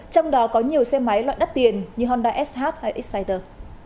trong đó có nhiều xe máy loại đắt tiền như honda sh hay exciter